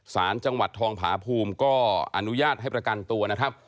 สารจังหวัดทองผาภูมิก็อนุญาตให้ประกันตัวนะครับ